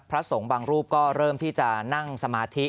พระสงฆ์บางรูปก็เริ่มที่จะนั่งสมาธิ